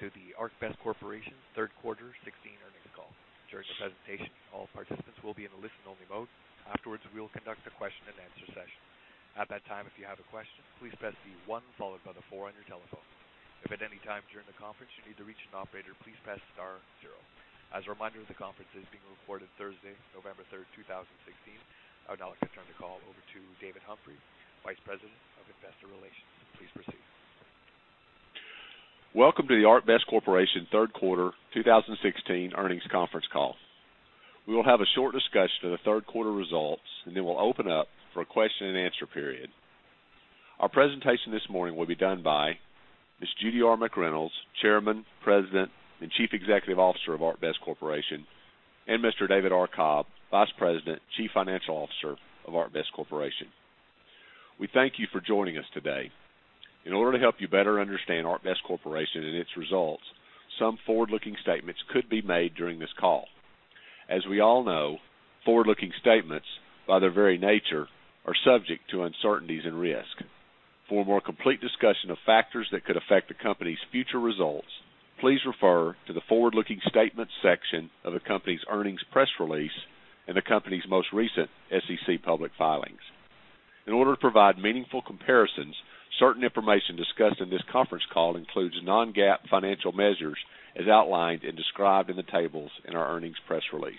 To the ArcBest Corporation Q3 2016 earnings call. During the presentation, all participants will be in a listen-only mode. Afterwards, we will conduct a question-and-answer session. At that time, if you have a question, please press the 1 followed by the 4 on your telephone. If at any time during the conference you need to reach an operator, please press star 0. As a reminder, the conference is being recorded Thursday, November 3, 2016. I would now like to turn the call over to David Humphrey, Vice President of Investor Relations. Please proceed. Welcome to the ArcBest Corporation Q3 2016 earnings conference call. We will have a short discussion of the Q3 results, and then we'll open up for a question-and-answer period. Our presentation this morning will be done by Ms. Judy R. McReynolds, Chairman, President, and Chief Executive Officer of ArcBest Corporation, and Mr. David R. Cobb, Vice President, Chief Financial Officer of ArcBest Corporation. We thank you for joining us today. In order to help you better understand ArcBest Corporation and its results, some forward-looking statements could be made during this call. As we all know, forward-looking statements, by their very nature, are subject to uncertainties and risk. For a more complete discussion of factors that could affect a company's future results, please refer to the forward-looking statements section of a company's earnings press release and the company's most recent SEC public filings. In order to provide meaningful comparisons, certain information discussed in this conference call includes non-GAAP financial measures as outlined and described in the tables in our earnings press release.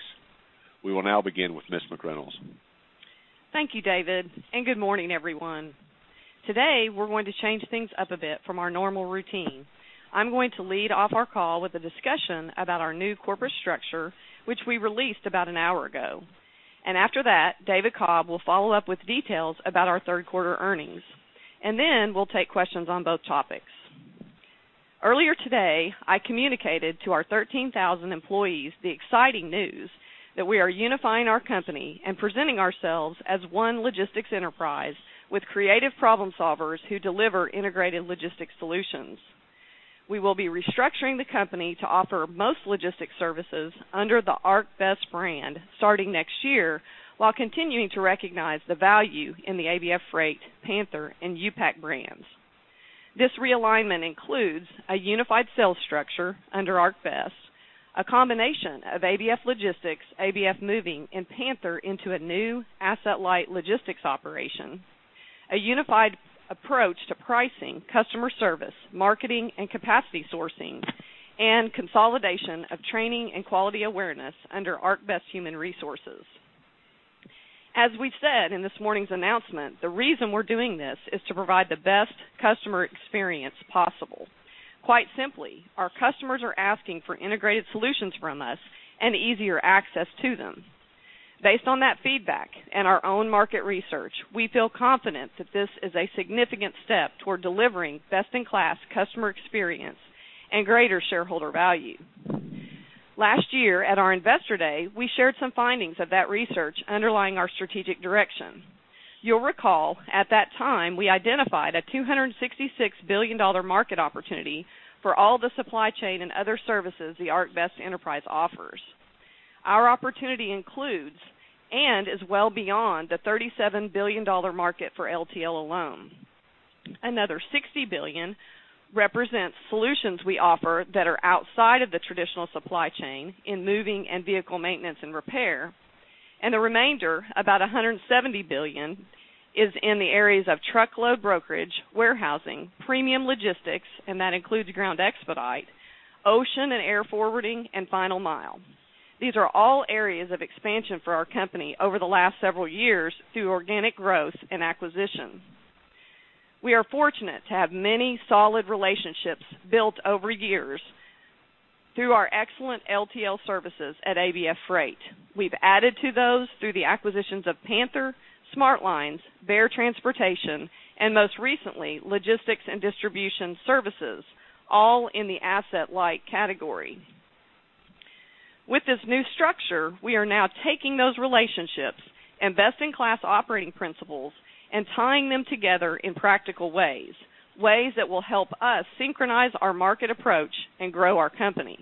We will now begin with Ms. McReynolds. Thank you, David, and good morning, everyone. Today we're going to change things up a bit from our normal routine. I'm going to lead off our call with a discussion about our new corporate structure, which we released about an hour ago. After that, David Cobb will follow up with details about our Q3 earnings, and then we'll take questions on both topics. Earlier today, I communicated to our 13,000 employees the exciting news that we are unifying our company and presenting ourselves as one logistics enterprise with creative problem solvers who deliver integrated logistics solutions. We will be restructuring the company to offer most logistics services under the ArcBest brand starting next year while continuing to recognize the value in the ABF Freight, Panther, and U-Pack brands. This realignment includes a unified sales structure under ArcBest, a combination of ABF Logistics, ABF Moving, and Panther into a new asset-light logistics operation, a unified approach to pricing, customer service, marketing, and capacity sourcing, and consolidation of training and quality awareness under ArcBest Human Resources. As we said in this morning's announcement, the reason we're doing this is to provide the best customer experience possible. Quite simply, our customers are asking for integrated solutions from us and easier access to them. Based on that feedback and our own market research, we feel confident that this is a significant step toward delivering best-in-class customer experience and greater shareholder value. Last year, at our Investor Day, we shared some findings of that research underlying our strategic direction. You'll recall, at that time, we identified a $266 billion market opportunity for all the supply chain and other services the ArcBest enterprise offers. Our opportunity includes and is well beyond the $37 billion market for LTL alone. Another $60 billion represents solutions we offer that are outside of the traditional supply chain in moving and vehicle maintenance and repair, and the remainder, about $170 billion, is in the areas of truckload brokerage, warehousing, premium logistics, and that includes ground expedite, ocean and air forwarding, and final mile. These are all areas of expansion for our company over the last several years through organic growth and acquisition. We are fortunate to have many solid relationships built over years through our excellent LTL services at ABF Freight. We've added to those through the acquisitions of Panther, Smart Lines, Bear Transportation, and most recently, Logistics and Distribution Services, all in the asset-light category. With this new structure, we are now taking those relationships and best-in-class operating principles and tying them together in practical ways, ways that will help us synchronize our market approach and grow our company.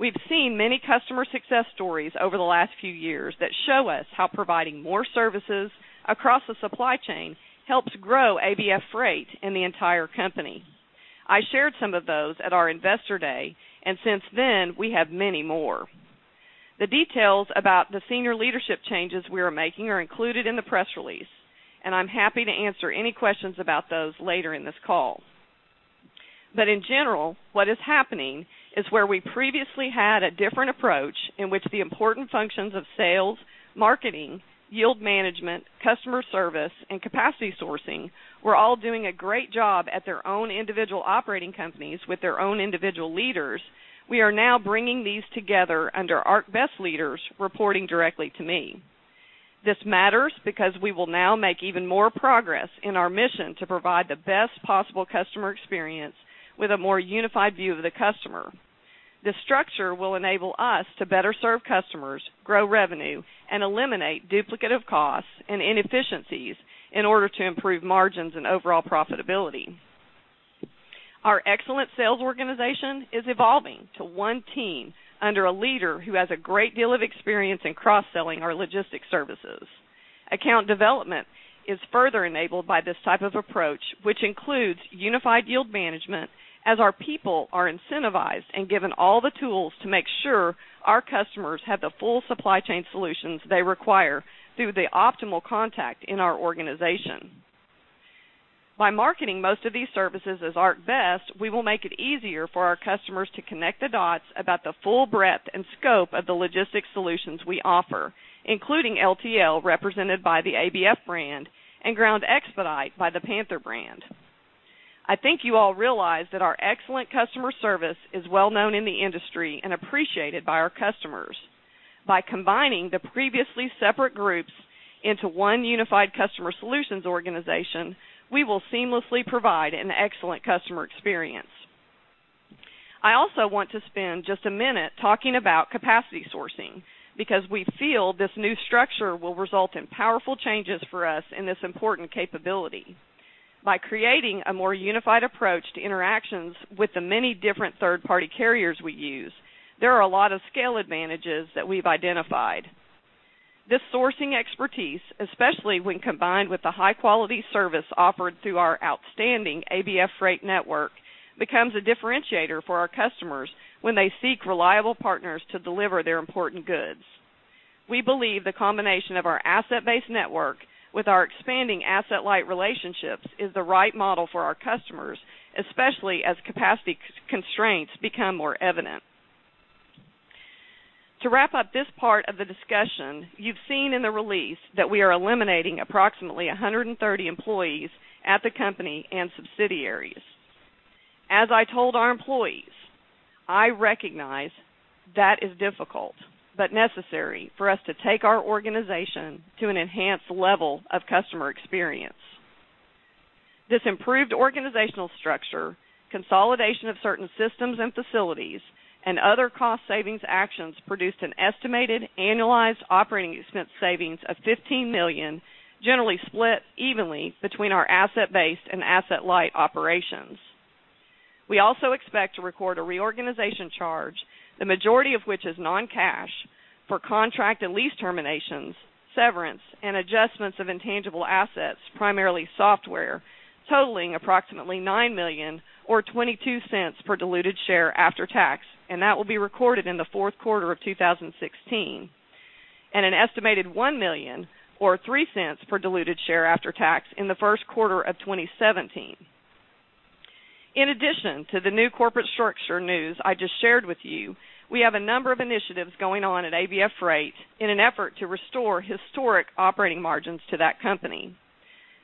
We've seen many customer success stories over the last few years that show us how providing more services across the supply chain helps grow ABF Freight and the entire company. I shared some of those at our Investor Day, and since then, we have many more. The details about the senior leadership changes we are making are included in the press release, and I'm happy to answer any questions about those later in this call. But in general, what is happening is where we previously had a different approach in which the important functions of sales, marketing, yield management, customer service, and capacity sourcing were all doing a great job at their own individual operating companies with their own individual leaders, we are now bringing these together under ArcBest leaders reporting directly to me. This matters because we will now make even more progress in our mission to provide the best possible customer experience with a more unified view of the customer. This structure will enable us to better serve customers, grow revenue, and eliminate duplicative costs and inefficiencies in order to improve margins and overall profitability. Our excellent sales organization is evolving to one team under a leader who has a great deal of experience in cross-selling our logistics services. Account development is further enabled by this type of approach, which includes unified yield management as our people are incentivized and given all the tools to make sure our customers have the full supply chain solutions they require through the optimal contact in our organization. By marketing most of these services as ArcBest, we will make it easier for our customers to connect the dots about the full breadth and scope of the logistics solutions we offer, including LTL represented by the ABF brand and ground expedite by the Panther brand. I think you all realize that our excellent customer service is well known in the industry and appreciated by our customers. By combining the previously separate groups into one unified customer solutions organization, we will seamlessly provide an excellent customer experience. I also want to spend just a minute talking about capacity sourcing because we feel this new structure will result in powerful changes for us in this important capability. By creating a more unified approach to interactions with the many different third-party carriers we use, there are a lot of scale advantages that we have identified. This sourcing expertise, especially when combined with the high-quality service offered through our outstanding ABF Freight network, becomes a differentiator for our customers when they seek reliable partners to deliver their important goods. We believe the combination of our asset-based network with our expanding asset-light relationships is the right model for our customers, especially as capacity constraints become more evident. To wrap up this part of the discussion, you have seen in the release that we are eliminating approximately 130 employees at the company and subsidiaries. As I told our employees, I recognize that is difficult but necessary for us to take our organization to an enhanced level of customer experience. This improved organizational structure, consolidation of certain systems and facilities, and other cost-savings actions produced an estimated annualized operating expense savings of $15 million generally split evenly between our asset-based and asset-light operations. We also expect to record a reorganization charge, the majority of which is non-cash, for contract and lease terminations, severance, and adjustments of intangible assets, primarily software, totaling approximately $9 million or $0.22 per diluted share after tax, and that will be recorded in the Q4 of 2016, and an estimated $1 million or $0.03 per diluted share after tax in the Q1 of 2017. In addition to the new corporate structure news I just shared with you, we have a number of initiatives going on at ABF Freight in an effort to restore historic operating margins to that company.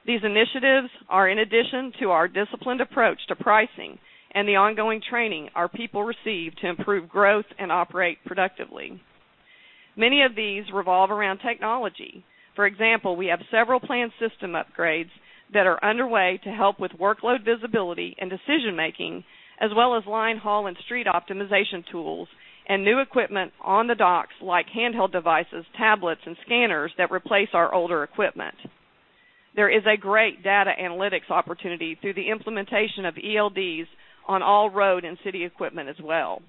These initiatives are, in addition to our disciplined approach to pricing and the ongoing training our people receive to improve growth and operate productively. Many of these revolve around technology. For example, we have several planned system upgrades that are underway to help with workload visibility and decision-making, as well as line hall and street optimization tools and new equipment on the docks like handheld devices, tablets, and scanners that replace our older equipment. There is a great data analytics opportunity through the implementation of ELDs on all road and city equipment as well.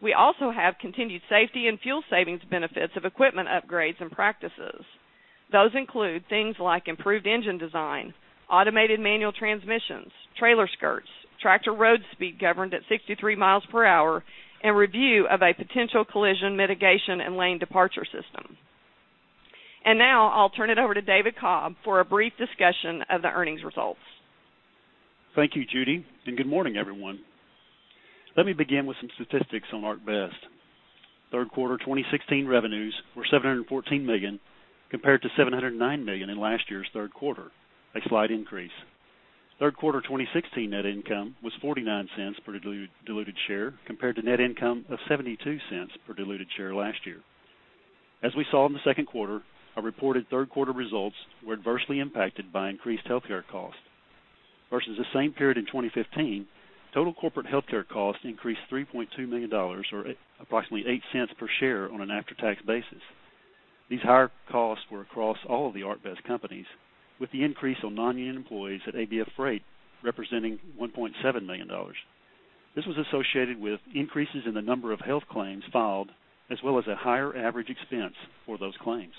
We also have continued safety and fuel savings benefits of equipment upgrades and practices. Those include things like improved engine design, automated manual transmissions, trailer skirts, tractor road speed governed at 63 miles per hour, and review of a potential collision mitigation and lane departure system. Now I'll turn it over to David Cobb for a brief discussion of the earnings results. Thank you, Judy, and good morning, everyone. Let me begin with some statistics on ArcBest. Q3 2016 revenues were $714 million compared to $709 million in last year's Q3, a slight increase. Q3 2016 net income was $0.49 per diluted share compared to net income of $0.72 per diluted share last year. As we saw in the Q2, our reported Q3 results were adversely impacted by increased healthcare cost. Versus the same period in 2015, total corporate healthcare costs increased $3.2 million or approximately $0.08 per share on an after-tax basis. These higher costs were across all of the ArcBest companies, with the increase on non-union employees at ABF Freight representing $1.7 million. This was associated with increases in the number of health claims filed, as well as a higher average expense for those claims.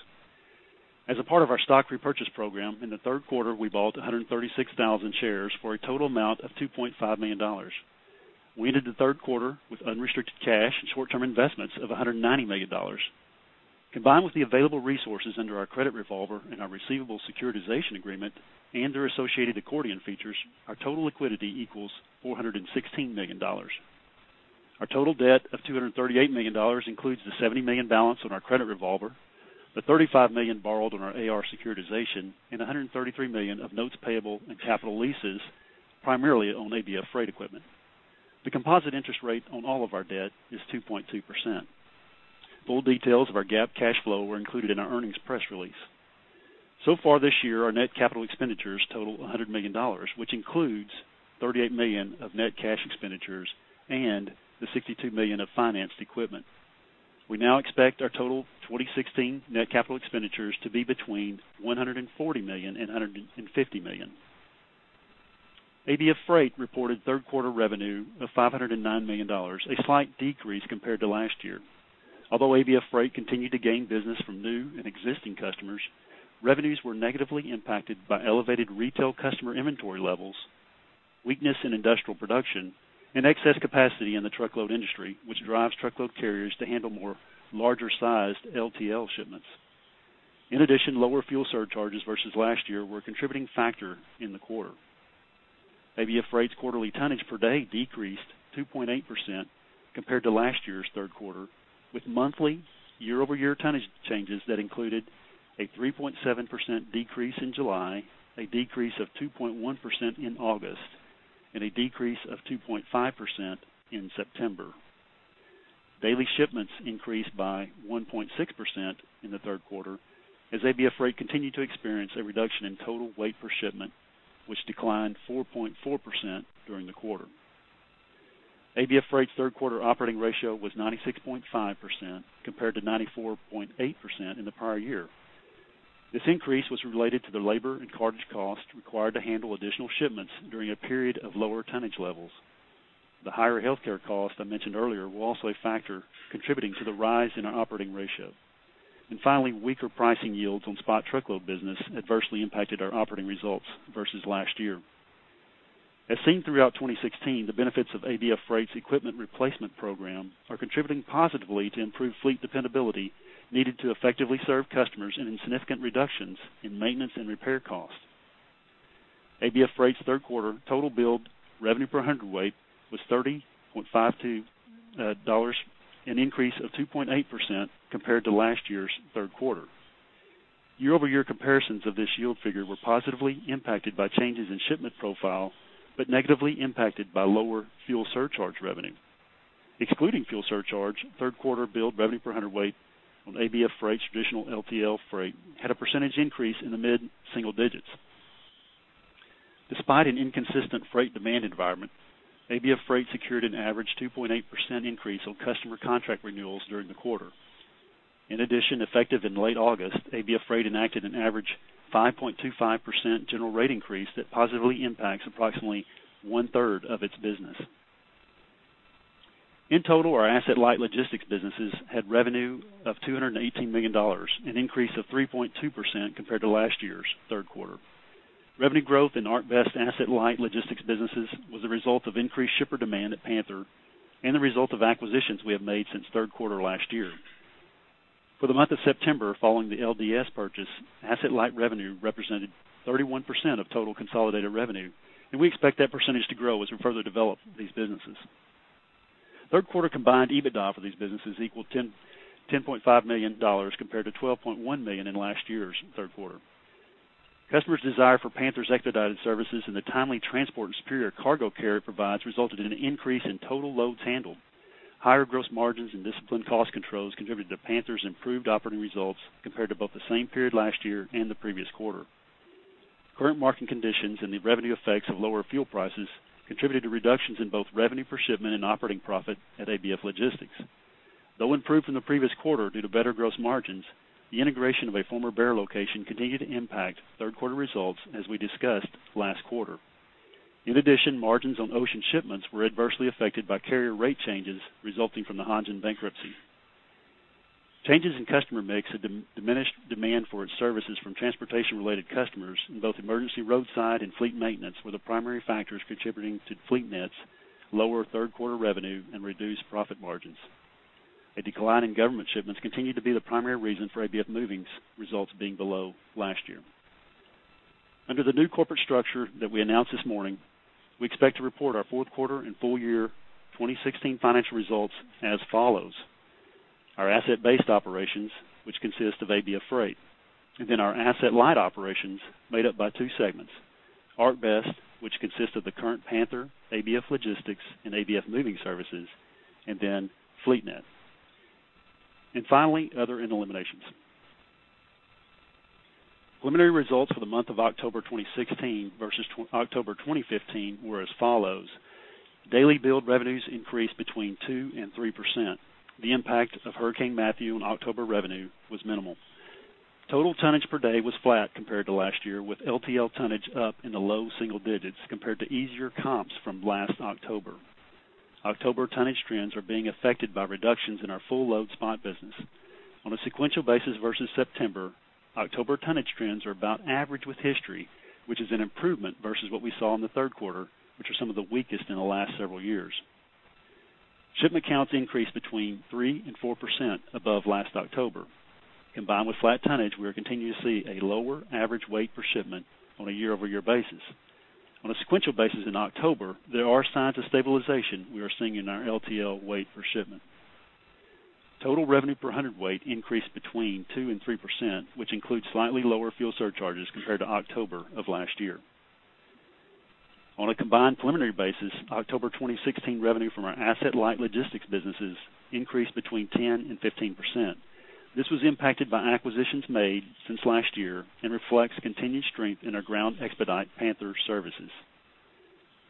As a part of our stock repurchase program, in the Q3 we bought 136,000 shares for a total amount of $2.5 million. We ended the Q3 with unrestricted cash and short-term investments of $190 million. Combined with the available resources under our credit revolver and our receivable securitization agreement and their associated accordion features, our total liquidity equals $416 million. Our total debt of $238 million includes the $70 million balance on our credit revolver, the $35 million borrowed on our AR securitization, and $133 million of notes payable and capital leases, primarily on ABF Freight equipment. The composite interest rate on all of our debt is 2.2%. Full details of our GAAP cash flow were included in our earnings press release. So far this year, our net capital expenditures total $100 million, which includes $38 million of net cash expenditures and the $62 million of financed equipment. We now expect our total 2016 net capital expenditures to be between $140 million and $150 million. ABF Freight reported Q3 revenue of $509 million, a slight decrease compared to last year. Although ABF Freight continued to gain business from new and existing customers, revenues were negatively impacted by elevated retail customer inventory levels, weakness in industrial production, and excess capacity in the truckload industry, which drives truckload carriers to handle larger-sized LTL shipments. In addition, lower fuel surcharges versus last year were a contributing factor in the quarter. ABF Freight's quarterly tonnage per day decreased 2.8% compared to last year's Q3, with monthly, year-over-year tonnage changes that included a 3.7% decrease in July, a decrease of 2.1% in August, and a decrease of 2.5% in September. Daily shipments increased by 1.6% in the Q3 as ABF Freight continued to experience a reduction in total weight per shipment, which declined 4.4% during the quarter. ABF Freight's Q3 operating ratio was 96.5% compared to 94.8% in the prior year. This increase was related to the labor and cartage cost required to handle additional shipments during a period of lower tonnage levels. The higher healthcare cost I mentioned earlier was also a factor contributing to the rise in our operating ratio. And finally, weaker pricing yields on spot truckload business adversely impacted our operating results versus last year. As seen throughout 2016, the benefits of ABF Freight's equipment replacement program are contributing positively to improved fleet dependability needed to effectively serve customers and in significant reductions in maintenance and repair costs. ABF Freight's Q3 total billed revenue per hundredweight was $30.52, an increase of 2.8% compared to last year's Q3. Year-over-year comparisons of this yield figure were positively impacted by changes in shipment profile but negatively impacted by lower fuel surcharge revenue. Excluding fuel surcharge, Q3 billed revenue per hundredweight on ABF Freight's traditional LTL Freight had a percentage increase in the mid-single digits. Despite an inconsistent freight demand environment, ABF Freight secured an average 2.8% increase on customer contract renewals during the quarter. In addition, effective in late August, ABF Freight enacted an average 5.25% general rate increase that positively impacts approximately one-third of its business. In total, our asset-light logistics businesses had revenue of $218 million, an increase of 3.2% compared to last year's Q3. Revenue growth in ArcBest asset-light logistics businesses was the result of increased shipper demand at Panther and the result of acquisitions we have made since Q3 last year. For the month of September following the LDS purchase, asset-light revenue represented 31% of total consolidated revenue, and we expect that percentage to grow as we further develop these businesses. Q3 combined EBITDA for these businesses equaled $10.5 million compared to $12.1 million in last year's Q3. Customers' desire for Panther's expedited services and the timely transport and superior cargo care it provides resulted in an increase in total loads handled. Higher gross margins and disciplined cost controls contributed to Panther's improved operating results compared to both the same period last year and the previous quarter. Current market conditions and the revenue effects of lower fuel prices contributed to reductions in both revenue per shipment and operating profit at ABF Logistics. Though improved from the previous quarter due to better gross margins, the integration of a former Bear location continued to impact Q3 results as we discussed last quarter. In addition, margins on ocean shipments were adversely affected by carrier rate changes resulting from the Hanjin bankruptcy. Changes in customer mix had diminished demand for its services from transportation-related customers, and both emergency roadside and fleet maintenance were the primary factors contributing to FleetNet's lower Q3 revenue and reduced profit margins. A decline in government shipments continued to be the primary reason for ABF Moving's results being below last year. Under the new corporate structure that we announced this morning, we expect to report our Q4 and full year 2016 financial results as follows. Our asset-based operations, which consist of ABF Freight, and then our asset-light operations made up by two segments: ArcBest, which consist of the current Panther, ABF Logistics, and ABF Moving Services, and then FleetNet. And finally, other and eliminations. Preliminary results for the month of October 2016 versus October 2015 were as follows. Daily billed revenues increased between 2%-3%. The impact of Hurricane Matthew on October revenue was minimal. Total tonnage per day was flat compared to last year, with LTL tonnage up in the low single digits compared to easier comps from last October. October tonnage trends are being affected by reductions in our full load spot business. On a sequential basis versus September, October tonnage trends are about average with history, which is an improvement versus what we saw in the Q3, which are some of the weakest in the last several years. Shipment counts increased between 3% and 4% above last October. Combined with flat tonnage, we are continuing to see a lower average weight per shipment on a year-over-year basis. On a sequential basis in October, there are signs of stabilization we are seeing in our LTL weight per shipment. Total revenue per hundredweight increased between 2% and 3%, which includes slightly lower fuel surcharges compared to October of last year. On a combined preliminary basis, October 2016 revenue from our asset-light logistics businesses increased between 10% and 15%. This was impacted by acquisitions made since last year and reflects continued strength in our ground expedite Panther services.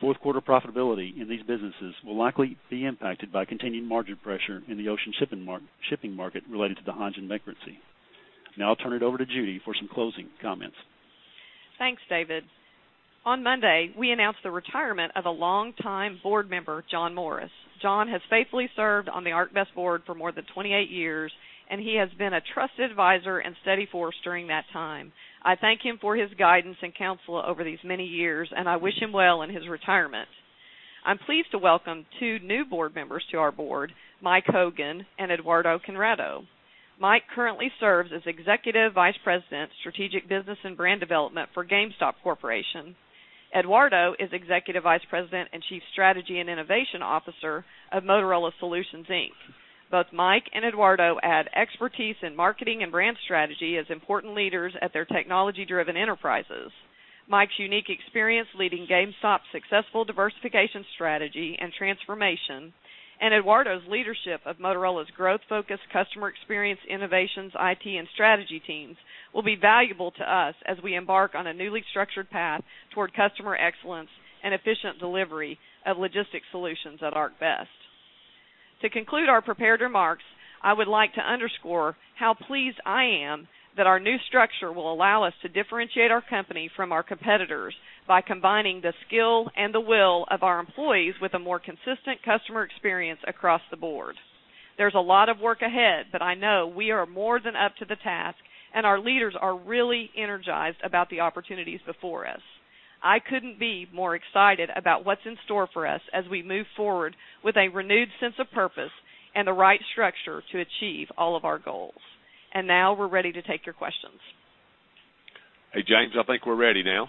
Q4 profitability in these businesses will likely be impacted by continued margin pressure in the ocean shipping market related to the Hanjin bankruptcy. Now I'll turn it over to Judy for some closing comments. Thanks, David. On Monday, we announced the retirement of a longtime board member, John Morris. John has faithfully served on the ArcBest board for more than 28 years, and he has been a trusted advisor and steady force during that time. I thank him for his guidance and counsel over these many years, and I wish him well in his retirement. I'm pleased to welcome two new board members to our board: Mike Hogan and Eduardo Conrado. Mike currently serves as Executive Vice President Strategic Business and Brand Development for GameStop Corporation. Eduardo is Executive Vice President and Chief Strategy and Innovation Officer of Motorola Solutions, Inc. Both Mike and Eduardo add expertise in marketing and brand strategy as important leaders at their technology-driven enterprises. Mike's unique experience leading GameStop's successful diversification strategy and transformation, and Eduardo's leadership of Motorola's growth-focused customer experience innovations, IT, and strategy teams, will be valuable to us as we embark on a newly structured path toward customer excellence and efficient delivery of logistics solutions at ArcBest. To conclude our prepared remarks, I would like to underscore how pleased I am that our new structure will allow us to differentiate our company from our competitors by combining the skill and the will of our employees with a more consistent customer experience across the board. There's a lot of work ahead, but I know we are more than up to the task, and our leaders are really energized about the opportunities before us. I couldn't be more excited about what's in store for us as we move forward with a renewed sense of purpose and the right structure to achieve all of our goals. And now we're ready to take your questions. Hey, James. I think we're ready now.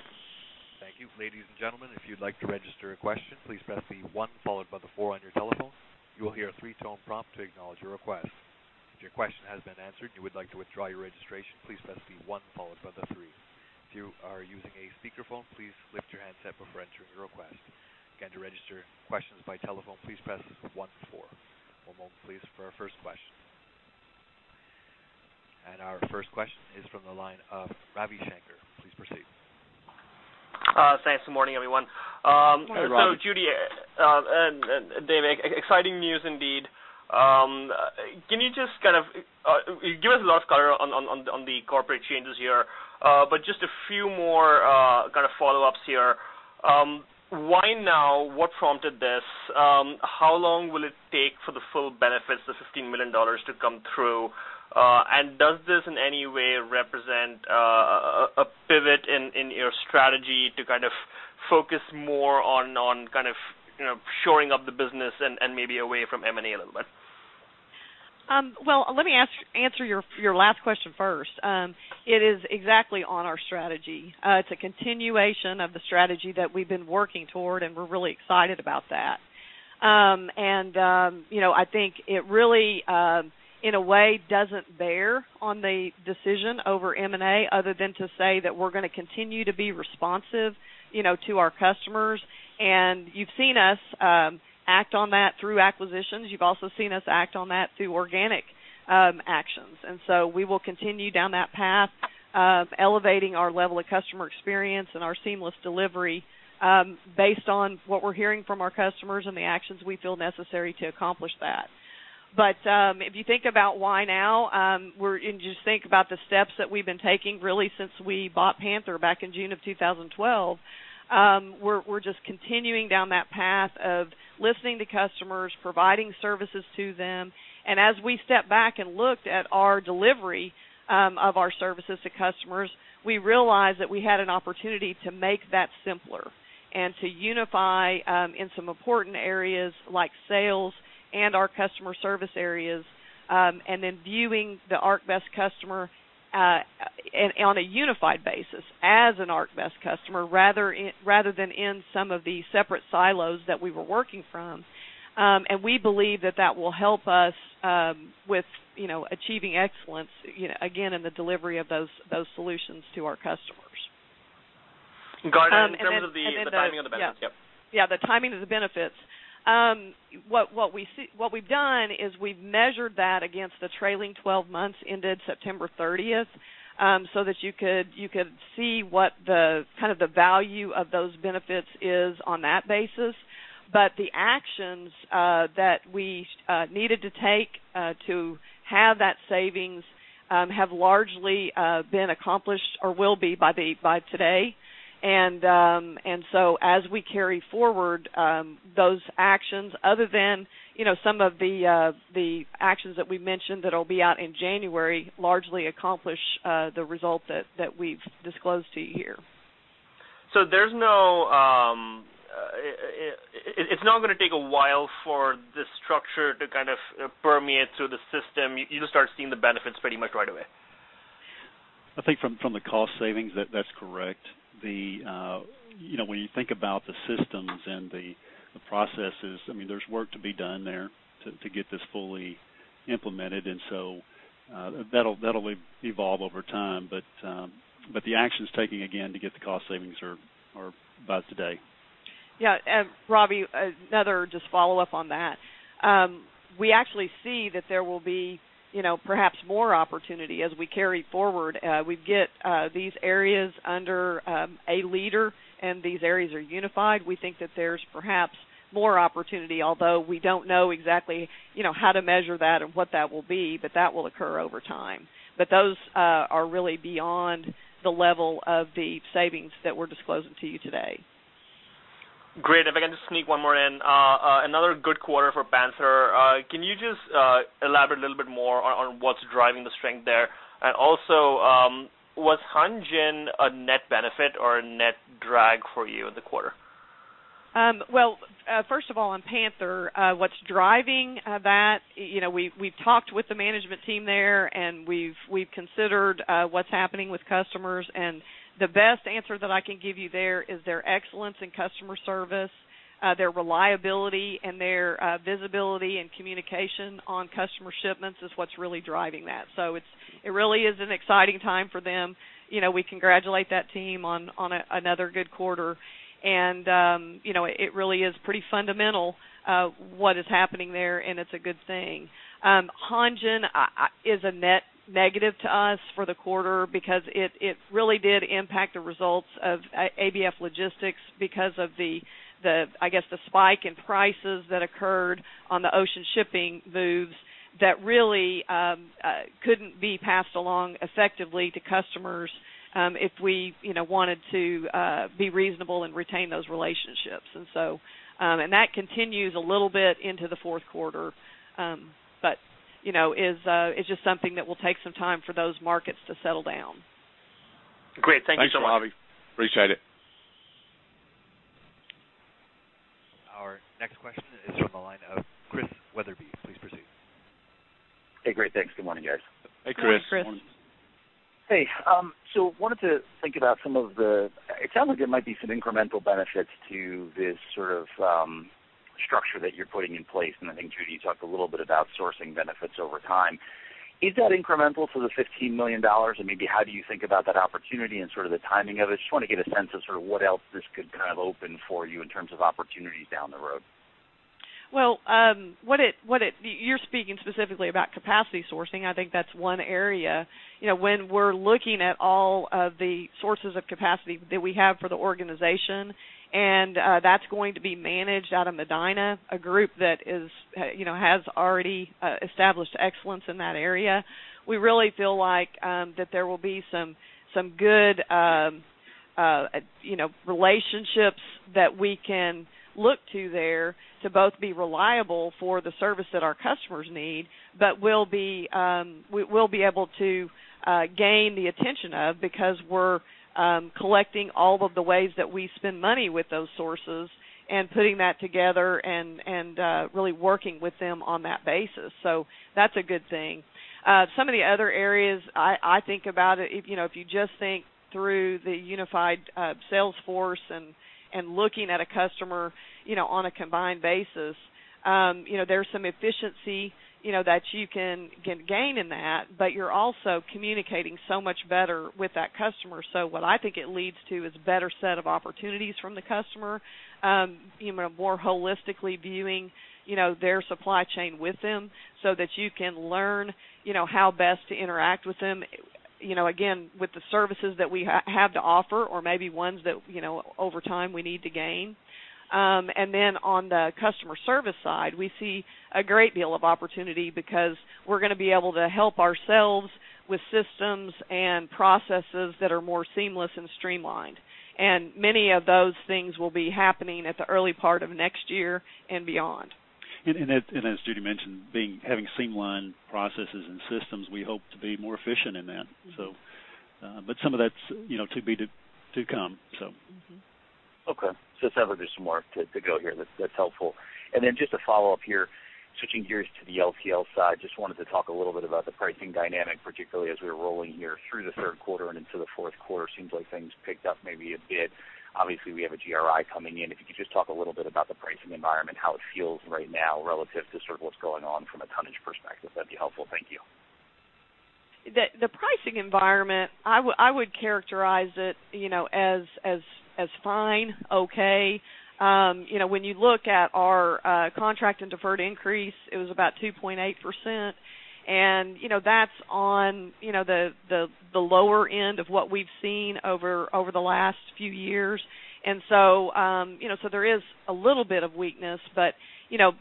Thank you. Ladies and gentlemen, if you'd like to register a question, please press the 1 followed by the 4 on your telephone. You will hear a 3-tone prompt to acknowledge your request. If your question has been answered and you would like to withdraw your registration, please press the 1 followed by the 3. If you are using a speakerphone, please lift your handset before entering your request. Again, to register questions by telephone, please press 14. One moment, please, for our first question. Our first question is from the line of Ravi Shanker. Please proceed. Thanks. Good morning, everyone. So, Judy and David, exciting news indeed. Can you just kind of give us a lot of color on the corporate changes here, but just a few more kind of follow-ups here. Why now? What prompted this? How long will it take for the full benefits, the $15 million, to come through? And does this in any way represent a pivot in your strategy to kind of focus more on kind of shoring up the business and maybe away from M&A a little bit? Well, let me answer your last question first. It is exactly on our strategy. It's a continuation of the strategy that we've been working toward, and we're really excited about that. I think it really, in a way, doesn't bear on the decision over M&A other than to say that we're going to continue to be responsive to our customers. You've seen us act on that through acquisitions. You've also seen us act on that through organic actions. We will continue down that path, elevating our level of customer experience and our seamless delivery based on what we're hearing from our customers and the actions we feel necessary to accomplish that. But if you think about why now, and just think about the steps that we've been taking really since we bought Panther back in June of 2012, we're just continuing down that path of listening to customers, providing services to them. And as we stepped back and looked at our delivery of our services to customers, we realized that we had an opportunity to make that simpler and to unify in some important areas like sales and our customer service areas, and then viewing the ArcBest customer on a unified basis as an ArcBest customer rather than in some of the separate silos that we were working from. And we believe that that will help us with achieving excellence, again, in the delivery of those solutions to our customers.In terms of the timing of the benefits, yep. Yeah, the timing of the benefits. What we've done is we've measured that against the trailing 12 months ended September 30th so that you could see what kind of the value of those benefits is on that basis. But the actions that we needed to take to have that savings have largely been accomplished or will be by today. And so as we carry forward those actions, other than some of the actions that we mentioned that will be out in January, largely accomplish the result that we've disclosed to you here. It's not going to take a while for this structure to kind of permeate through the system. You'll start seeing the benefits pretty much right away. I think from the cost savings, that's correct. When you think about the systems and the processes, I mean, there's work to be done there to get this fully implemented, and so that'll evolve over time. But the actions taken, again, to get the cost savings are by today. Yeah. And Ravi, another just follow-up on that. We actually see that there will be perhaps more opportunity as we carry forward. We get these areas under a leader, and these areas are unified. We think that there's perhaps more opportunity, although we don't know exactly how to measure that and what that will be, but that will occur over time. But those are really beyond the level of the savings that we're disclosing to you today. Great. If I can just sneak one more in, another good quarter for Panther. Can you just elaborate a little bit more on what's driving the strength there? And also, was Hanjin a net benefit or a net drag for you in the quarter? Well, first of all, on Panther, what's driving that? We've talked with the management team there, and we've considered what's happening with customers. And the best answer that I can give you there is their excellence in customer service. Their reliability and their visibility and communication on customer shipments is what's really driving that. So it really is an exciting time for them. We congratulate that team on another good quarter. And it really is pretty fundamental what is happening there, and it's a good thing. Hanjin is a net negative to us for the quarter because it really did impact the results of ABF Logistics because of, I guess, the spike in prices that occurred on the ocean shipping moves that really couldn't be passed along effectively to customers if we wanted to be reasonable and retain those relationships. That continues a little bit into the Q4, but it's just something that will take some time for those markets to settle down. Great. Thank you so much. Thanks, Ravi. Appreciate it. Our next question is from the line of Chris Wetherbee. Please proceed. Hey, great. Thanks. Good morning, guys. Hey, Chris. Hey, Chris. Hey. So I wanted to think about some of the, it sounds like there might be some incremental benefits to this sort of structure that you're putting in place. And I think, Judy, you talked a little bit about sourcing benefits over time. Is that incremental to the $15 million? And maybe how do you think about that opportunity and sort of the timing of it? Just want to get a sense of sort of what else this could kind of open for you in terms of opportunities down the road. Well, you're speaking specifically about capacity sourcing. I think that's one area. When we're looking at all of the sources of capacity that we have for the organization, and that's going to be managed out of Medina, a group that has already established excellence in that area, we really feel like that there will be some good relationships that we can look to there to both be reliable for the service that our customers need but will be able to gain the attention of because we're collecting all of the ways that we spend money with those sources and putting that together and really working with them on that basis. So that's a good thing. Some of the other areas I think about it, if you just think through the unified sales force and looking at a customer on a combined basis, there's some efficiency that you can gain in that, but you're also communicating so much better with that customer. So what I think it leads to is a better set of opportunities from the customer, more holistically viewing their supply chain with them so that you can learn how best to interact with them, again, with the services that we have to offer or maybe ones that, over time, we need to gain. And then on the customer service side, we see a great deal of opportunity because we're going to be able to help ourselves with systems and processes that are more seamless and streamlined. And many of those things will be happening at the early part of next year and beyond. As Judy mentioned, having streamlined processes and systems, we hope to be more efficient in that. Some of that's to come, so. Okay. Just have some work to go here. That's helpful. And then just a follow-up here, switching gears to the LTL side, just wanted to talk a little bit about the pricing dynamic, particularly as we're rolling here through the Q3 and into the Q4. Seems like things picked up maybe a bit. Obviously, we have a GRI coming in. If you could just talk a little bit about the pricing environment, how it feels right now relative to sort of what's going on from a tonnage perspective, that'd be helpful. Thank you. The pricing environment, I would characterize it as fine, okay. When you look at our contract and deferred increase, it was about 2.8%. That's on the lower end of what we've seen over the last few years. So there is a little bit of weakness, but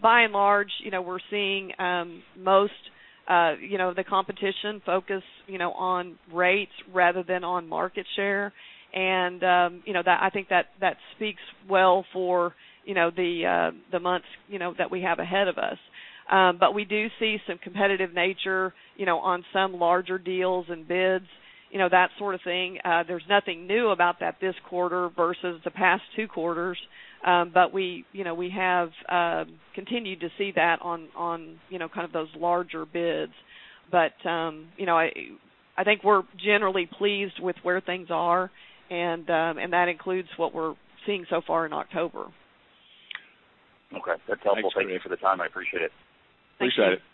by and large, we're seeing most of the competition focus on rates rather than on market share. I think that speaks well for the months that we have ahead of us. But we do see some competitive nature on some larger deals and bids, that sort of thing. There's nothing new about that this quarter versus the past two quarters, but we have continued to see that on kind of those larger bids. I think we're generally pleased with where things are, and that includes what we're seeing so far in October. Okay. That's helpful. Thanks, Ravi, for the time. I appreciate it. Thank you. Appreciate it.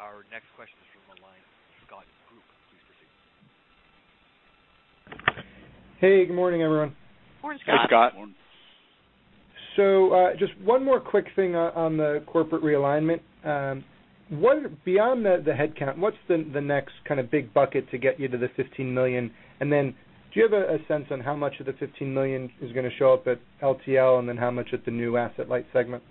Our next question is from the line of Scott Group. Please proceed. Hey. Good morning, everyone. Morning, Scott. Hey, Scott. So just one more quick thing on the corporate realignment. Beyond the headcount, what's the next kind of big bucket to get you to the $15 million? And then do you have a sense on how much of the $15 million is going to show up at LTL and then how much at the new asset-light segment?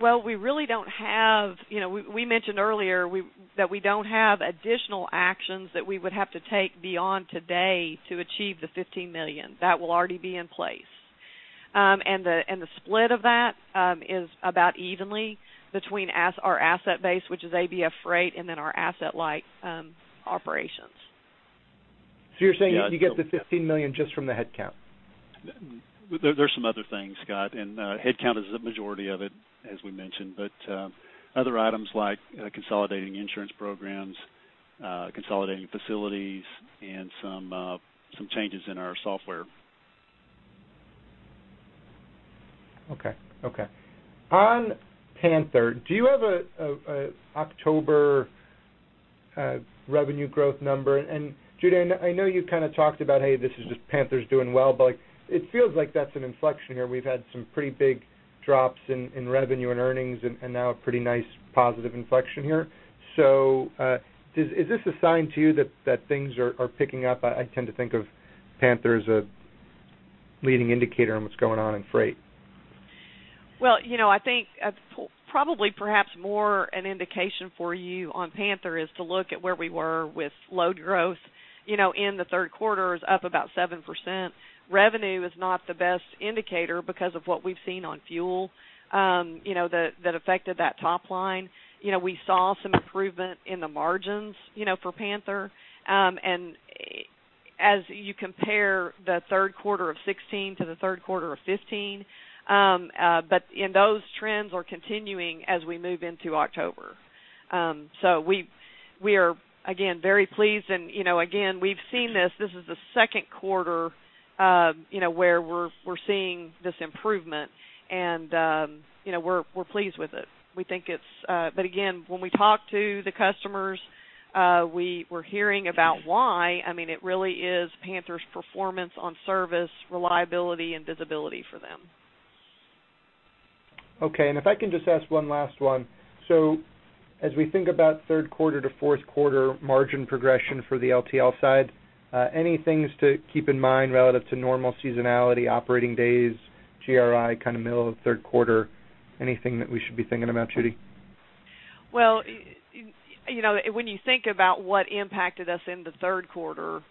Well, we really don't have. We mentioned earlier that we don't have additional actions that we would have to take beyond today to achieve the $15 million. That will already be in place. The split of that is about evenly between our asset-based, which is ABF Freight, and then our asset-light operations. You're saying you get the $15 million just from the headcount? There's some other things, Scott. Headcount is the majority of it, as we mentioned, but other items like consolidating insurance programs, consolidating facilities, and some changes in our software. Okay. Okay. On Panther, do you have an October revenue growth number? And Judy, I know you kind of talked about, "Hey, this is just Panther's doing well," but it feels like that's an inflection here. We've had some pretty big drops in revenue and earnings and now a pretty nice positive inflection here. So is this a sign to you that things are picking up? I tend to think of Panther as a leading indicator on what's going on in freight. Well, I think probably, perhaps more an indication for you on Panther is to look at where we were with load growth. In the Q3, it was up about 7%. Revenue is not the best indicator because of what we've seen on fuel that affected that top line. We saw some improvement in the margins for Panther. And as you compare the Q3 of 2016 to the Q3 of 2015, but those trends are continuing as we move into October. So we are, again, very pleased. And again, we've seen this. This is the Q2 where we're seeing this improvement, and we're pleased with it. We think it's but again, when we talk to the customers, we're hearing about why. I mean, it really is Panther's performance on service, reliability, and visibility for them. Okay. If I can just ask one last one. As we think about Q3 to Q4 margin progression for the LTL side, any things to keep in mind relative to normal seasonality, operating days, GRI, kind of middle of Q3? Anything that we should be thinking about, Judy? Well, when you think about what impacted us in the Q3,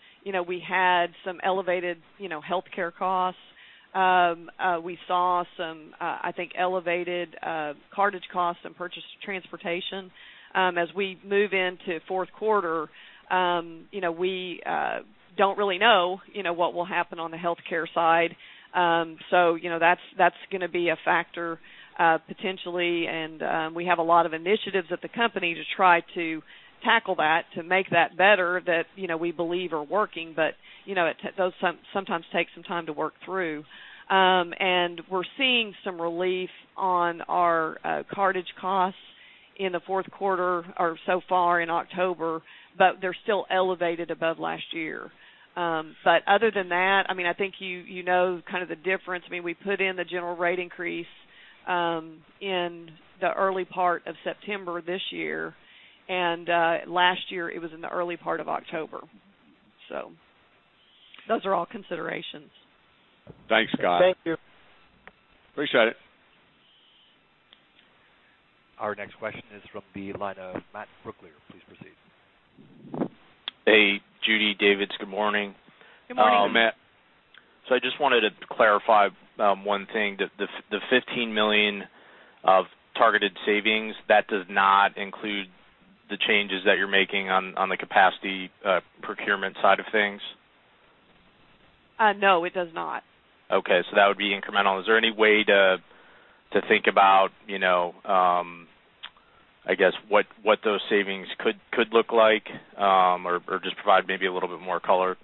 we had some elevated healthcare costs. We saw some, I think, elevated cartage costs and purchased transportation. As we move into Q4, we don't really know what will happen on the healthcare side. So that's going to be a factor potentially. And we have a lot of initiatives at the company to try to tackle that, to make that better that we believe are working, but it sometimes takes some time to work through. And we're seeing some relief on our cartage costs in the Q4 or so far in October, but they're still elevated above last year. But other than that, I mean, I think you know kind of the difference. I mean, we put in the general rate increase in the early part of September this year, and last year, it was in the early part of October. So those are all considerations. Thanks, Scott. Thank you. Appreciate it. Our next question is from the line of Matt Brooklier. Please proceed. Hey, Judy, David. Good morning. Good morning, everyone. Matt, so I just wanted to clarify one thing. The $15 million of targeted savings, that does not include the changes that you're making on the capacity procurement side of things? No, it does not. Okay. So that would be incremental. Is there any way to think about, I guess, what those savings could look like or just provide maybe a little bit more color?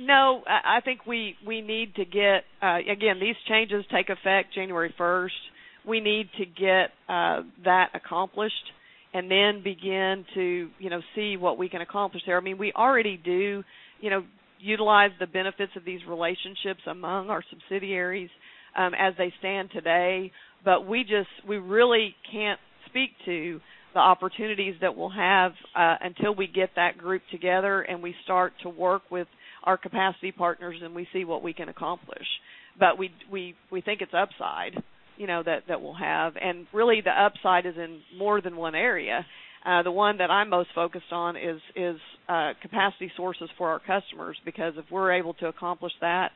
No. I think we need to get again, these changes take effect January 1st. We need to get that accomplished and then begin to see what we can accomplish there. I mean, we already do utilize the benefits of these relationships among our subsidiaries as they stand today, but we really can't speak to the opportunities that we'll have until we get that group together and we start to work with our capacity partners and we see what we can accomplish. But we think it's upside that we'll have. And really, the upside is in more than one area. The one that I'm most focused on is capacity sources for our customers because if we're able to accomplish that,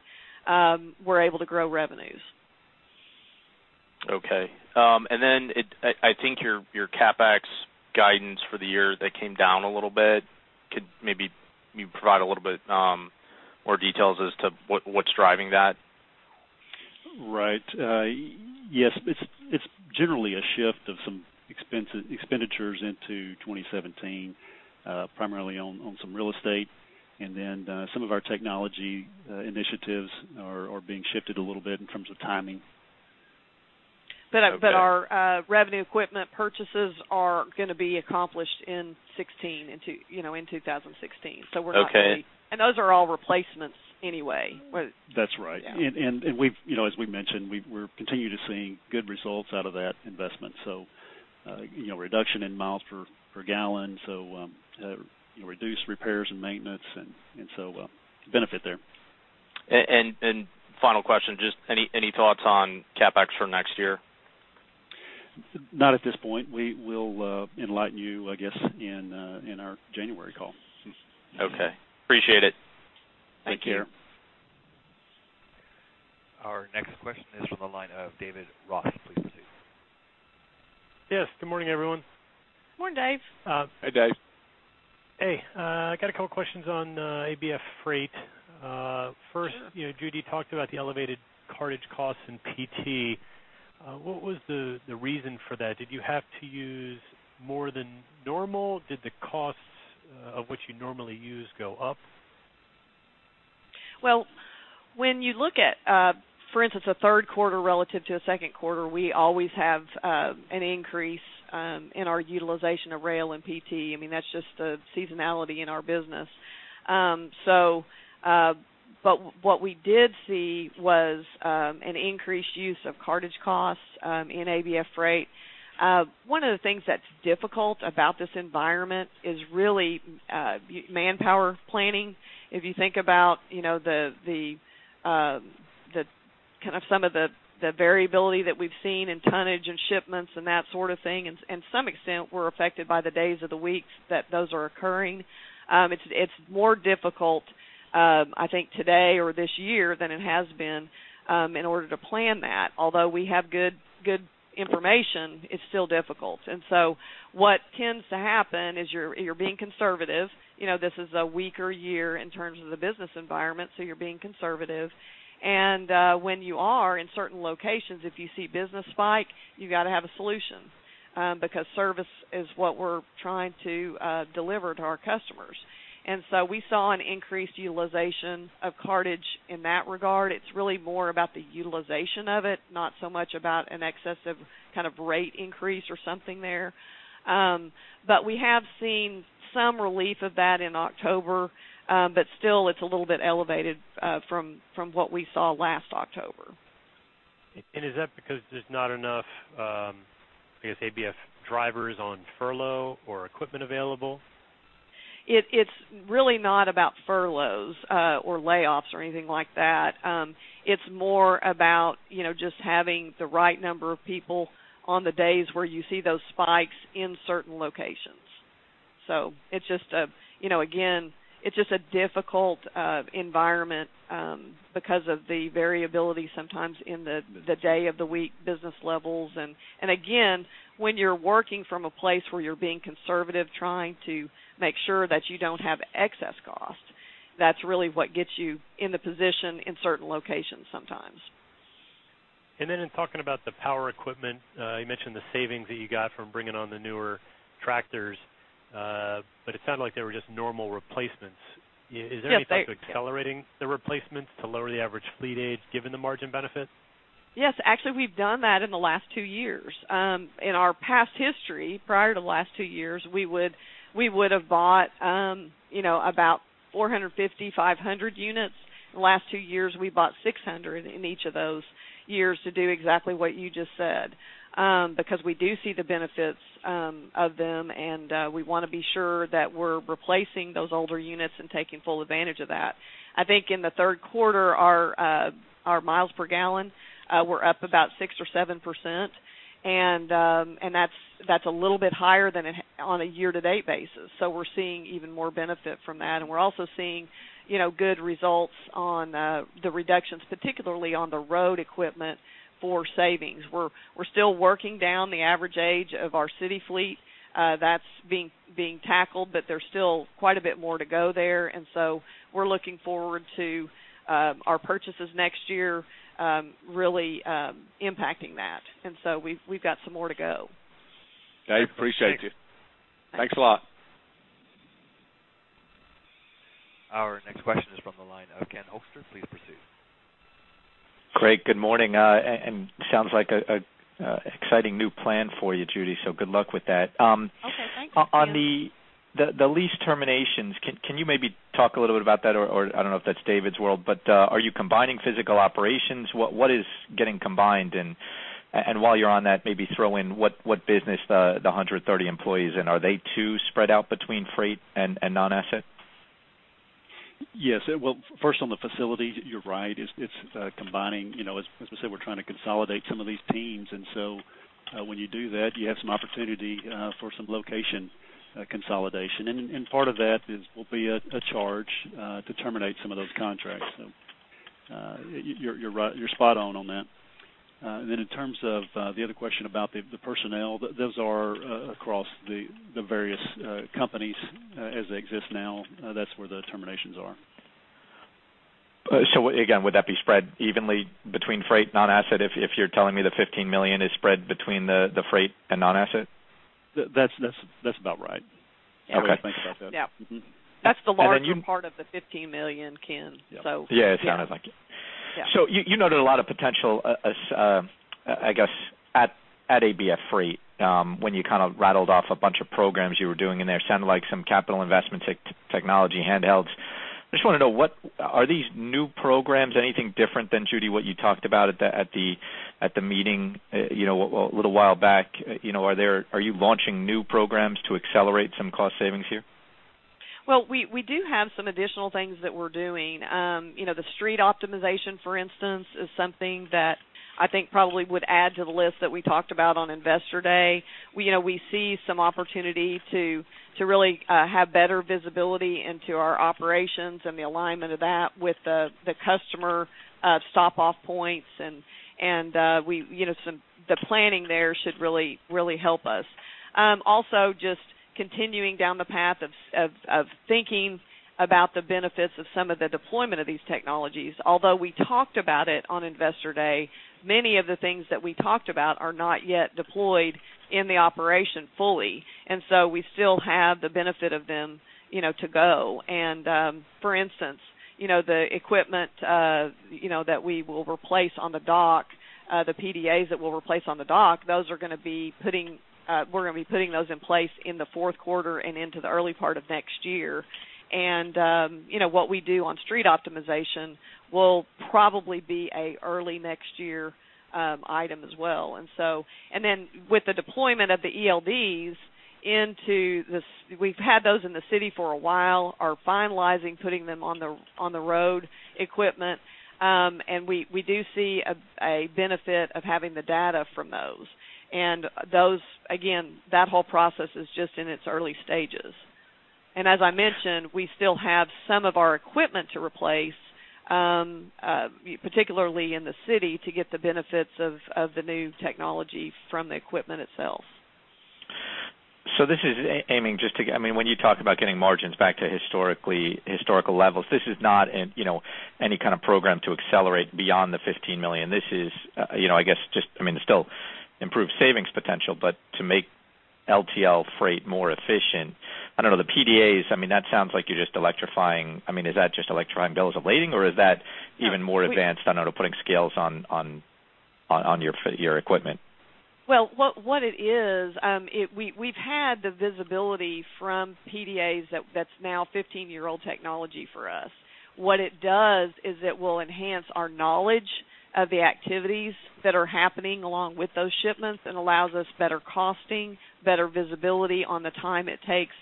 we're able to grow revenues. Okay. And then I think your CapEx guidance for the year that came down a little bit. Could maybe you provide a little bit more details as to what's driving that? Right. Yes. It's generally a shift of some expenditures into 2017, primarily on some real estate. And then some of our technology initiatives are being shifted a little bit in terms of timing. But our revenue equipment purchases are going to be accomplished in 2016, in 2016. So we're not going to be and those are all replacements anyway. That's right. And as we mentioned, we're continuing to see good results out of that investment, so reduction in miles per gallon, so reduced repairs and maintenance, and so benefit there. Final question, just any thoughts on CapEx for next year? Not at this point. We'll enlighten you, I guess, in our January call. Okay. Appreciate it. Take care. Thank you. Our next question is from the line of David Ross. Please proceed. Yes. Good morning, everyone. Morning, Dave. Hey, Dave. Hey. I got a couple of questions on ABF Freight. First, Judy talked about the elevated cartage costs in PT. What was the reason for that? Did you have to use more than normal? Did the costs of what you normally use go up? Well, when you look at, for instance, a Q3 relative to a Q2, we always have an increase in our utilization of rail and PT. I mean, that's just the seasonality in our business. But what we did see was an increased use of cartage costs in ABF Freight. One of the things that's difficult about this environment is really manpower planning. If you think about the kind of some of the variability that we've seen in tonnage and shipments and that sort of thing, in some extent, we're affected by the days of the week that those are occurring. It's more difficult, I think, today or this year than it has been in order to plan that. Although we have good information, it's still difficult. And so what tends to happen is you're being conservative. This is a weaker year in terms of the business environment, so you're being conservative. When you are in certain locations, if you see business spike, you've got to have a solution because service is what we're trying to deliver to our customers. So we saw an increased utilization of cartage in that regard. It's really more about the utilization of it, not so much about an excessive kind of rate increase or something there. We have seen some relief of that in October, but still, it's a little bit elevated from what we saw last October. Is that because there's not enough, I guess, ABF drivers on furlough or equipment available? It's really not about furloughs or layoffs or anything like that. It's more about just having the right number of people on the days where you see those spikes in certain locations. So it's just a difficult environment because of the variability sometimes in the day of the week, business levels. And again, when you're working from a place where you're being conservative trying to make sure that you don't have excess costs, that's really what gets you in the position in certain locations sometimes. Then in talking about the power equipment, you mentioned the savings that you got from bringing on the newer tractors, but it sounded like they were just normal replacements. Is there anything that's accelerating the replacements to lower the average fleet age given the margin benefit? Yes. Actually, we've done that in the last two years. In our past history, prior to the last two years, we would have bought about 450-500 units. The last two years, we bought 600 in each of those years to do exactly what you just said because we do see the benefits of them, and we want to be sure that we're replacing those older units and taking full advantage of that. I think in the Q3, our miles per gallon, we're up about 6%-7%, and that's a little bit higher than on a year-to-date basis. So we're seeing even more benefit from that. And we're also seeing good results on the reductions, particularly on the road equipment for savings. We're still working down the average age of our city fleet. That's being tackled, but there's still quite a bit more to go there. And so we're looking forward to our purchases next year really impacting that. And so we've got some more to go. Dave, appreciate you. Thanks a lot. Our next question is from the line of Ken Hoexter. Please proceed. Great. Good morning. Sounds like an exciting new plan for you, Judy. Good luck with that. Okay. Thank you. On the lease terminations, can you maybe talk a little bit about that? Or I don't know if that's David's world, but are you combining physical operations? What is getting combined? And while you're on that, maybe throw in what business the 130 employees in, are they too spread out between freight and non-asset? Yes. Well, first, on the facilities, you're right. It's combining. As we said, we're trying to consolidate some of these teams. And so when you do that, you have some opportunity for some location consolidation. And part of that will be a charge to terminate some of those contracts. So you're spot on on that. And then in terms of the other question about the personnel, those are across the various companies as they exist now. That's where the terminations are. So again, would that be spread evenly between freight, non-asset, if you're telling me the $15 million is spread between the freight and non-asset? That's about right. I always think about that. Yeah. That's the larger part of the $15 million, Ken, so. Yeah. It sounded like it. So you noted a lot of potential, I guess, at ABF Freight when you kind of rattled off a bunch of programs you were doing in there. Sounded like some capital investments, technology handhelds. I just want to know, are these new programs anything different than, Judy, what you talked about at the meeting a little while back? Are you launching new programs to accelerate some cost savings here? Well, we do have some additional things that we're doing. The street optimization, for instance, is something that I think probably would add to the list that we talked about on Investor Day. We see some opportunity to really have better visibility into our operations and the alignment of that with the customer stop-off points. And the planning there should really help us. Also, just continuing down the path of thinking about the benefits of some of the deployment of these technologies. Although we talked about it on Investor Day, many of the things that we talked about are not yet deployed in the operation fully. And so we still have the benefit of them to go. And for instance, the equipment that we will replace on the dock, the PDAs that we'll replace on the dock, we're going to be putting those in place in the Q4 and into the early part of next year. And what we do on street optimization will probably be an early next year item as well. And then with the deployment of the ELDs, we've had those in the city for a while, are finalizing putting them on the road equipment. And we do see a benefit of having the data from those. And again, that whole process is just in its early stages. And as I mentioned, we still have some of our equipment to replace, particularly in the city, to get the benefits of the new technology from the equipment itself. So this is aiming just to get I mean, when you talk about getting margins back to historical levels, this is not any kind of program to accelerate beyond the $15 million. This is, I guess, just I mean, still improve savings potential, but to make LTL freight more efficient. I don't know. The PDAs, I mean, that sounds like you're just electrifying I mean, is that just electrifying bills of lading, or is that even more advanced? I don't know, putting scales on your equipment. Well, what it is, we've had the visibility from PDAs that's now 15-year-old technology for us. What it does is it will enhance our knowledge of the activities that are happening along with those shipments and allows us better costing, better visibility on the time it takes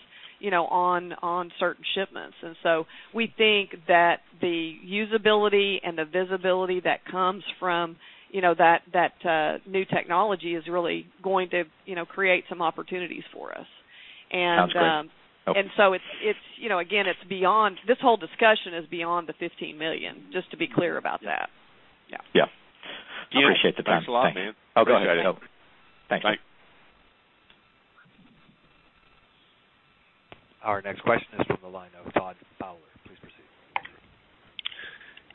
on certain shipments. And so we think that the usability and the visibility that comes from that new technology is really going to create some opportunities for us. Sounds good. Okay. And so again, it's beyond this whole discussion is beyond the $15 million, just to be clear about that. Yeah. Yeah. Appreciate the time. Thanks a lot, man. Oh, go ahead. Thanks. Bye. Our next question is from the line of Todd Fowler. Please proceed.